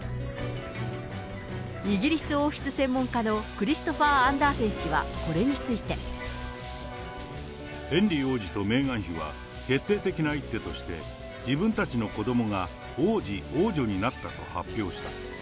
イギリス王室専門家のクリストファー・アンダーセン氏は、これにヘンリー王子とメーガン妃は、決定的な一手として、自分たちの子どもが王子、王女になったと発表した。